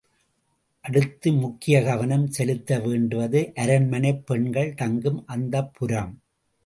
அடுத்து முக்கிய கவனம் செலுத்த வேண்டுவது அரண்மனைப் பெண்கள் தங்கும் அந்தப்புரம்.